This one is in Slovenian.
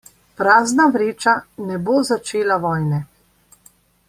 Prazna vreča ne bo začela vojne.